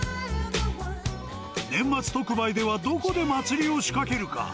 年末特売ではどこで祭りを仕掛けるか。